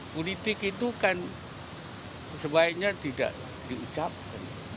politik itu kan sebaiknya tidak diucapkan